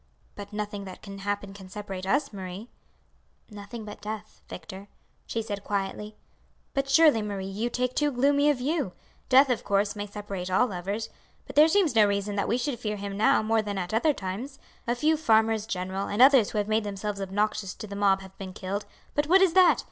"But nothing that can happen can separate us, Marie." "Nothing but death, Victor," she said quietly. "But surely, Marie, you take too gloomy a view. Death, of course, may separate all lovers; but there seems no reason that we should fear him now more than at other times. A few farmers general and others who have made themselves obnoxious to the mob have been killed, but what is that!